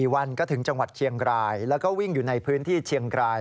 วันก็ถึงจังหวัดเชียงรายแล้วก็วิ่งอยู่ในพื้นที่เชียงราย